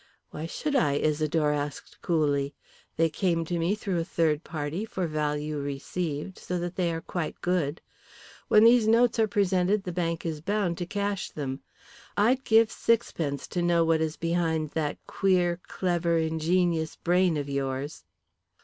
"Why should I?" Isidore asked coolly. "They came to me through a third party for value received, so that they are quite good. When these notes are presented the bank is bound to cash them. I'd give sixpence to know what is behind that queer, clever, ingenious brain of yours."